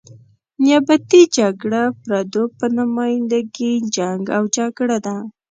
نیابتي جګړه پردو په نماینده ګي جنګ او جګړه ده.